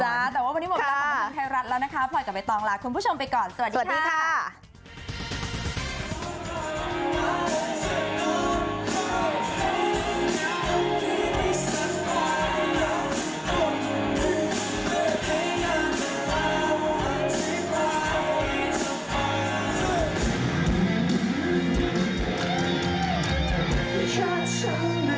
แต่ว่าวันนี้หมดเวลากับบันเทิงไทยรัฐแล้วนะคะพลอยกับใบตองลาคุณผู้ชมไปก่อนสวัสดีค่ะ